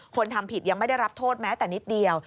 ทำผิดยังไม่ได้รับโทษแม้แต่นิดเดียว